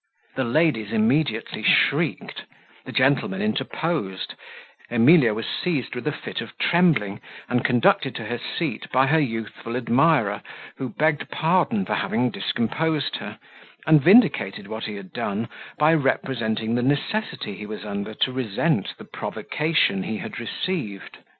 The ladies immediately shrieked, the gentlemen interposed, Emilia was seized with a fit of trembling, and conducted to her seat by her youthful admirer, who begged pardon for having discomposed her, and vindicated what he had done, by representing the necessity he was under to resent the provocation he had received.